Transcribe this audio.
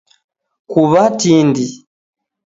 Kuwa tindi